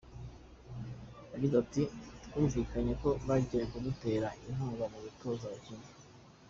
Yagize ati “Twumvikanye ko bagiye kudutera inkunga mu gutoza abakinnyi.